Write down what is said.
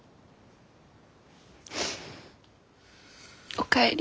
おかえり。